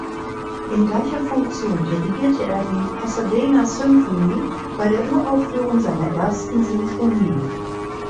In gleicher Funktion dirigierte er die "Pasadena Symphony" bei der Uraufführung seiner Ersten Sinfonie.